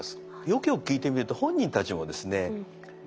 よくよく聞いてみると本人たちもですね